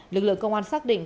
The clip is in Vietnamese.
lực lượng công an xác định